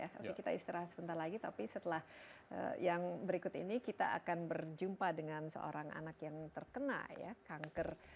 tapi kita istirahat sebentar lagi tapi setelah yang berikut ini kita akan berjumpa dengan seorang anak yang terkena ya kanker